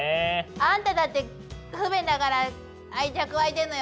あんただって不便だから愛着湧いてるのよ！